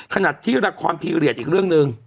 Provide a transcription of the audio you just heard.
ขณะที่ละครพีเรียสอีกเรื่องหนึ่ง